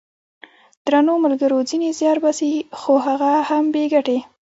درنو ملګرو ! ځینې زیار باسي خو هغه هم بې ګټې!